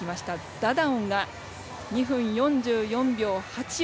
ダダオンが２分４４秒８４。